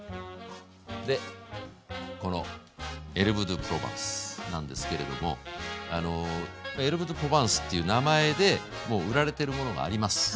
でこのエルブ・ド・プロバンスなんですけれどもエルブ・ド・プロバンスっていう名前でもう売られてるものがあります。